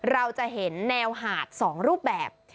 เราจะเห็นแนวหาด๒รูปแบบ